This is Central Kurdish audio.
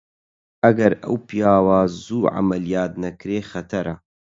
ئەگەر ئەو پیاوە زوو عەمەلیات نەکرێ خەتەرە!